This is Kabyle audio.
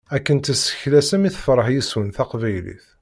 Akken tesseklasem i tferreḥ yes-wen teqbaylit.